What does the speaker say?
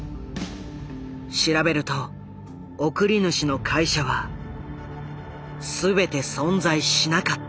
調べると送り主の会社は全て存在しなかった。